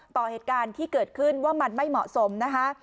ต่อเหตุการณ์ที่เกิดขึ้นว่ามันไม่เหมาะสมนะคะ